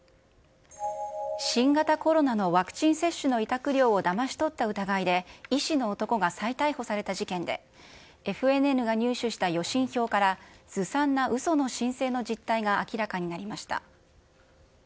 新型コロナのワクチン接種の委託料をだまし取った疑いで、医師の男が再逮捕された事件で、ＦＮＮが入手した予診票から、ずさんなうその申請の実態が明らかになりました。